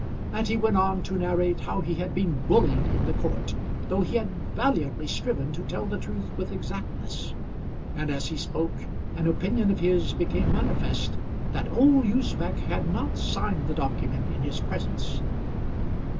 And he went on to narrate how he had been bullied in the court, though he had valiantly striven to tell the truth with exactness; and as he spoke, an opinion of his became manifest that old Usbech had not signed the document in his presence.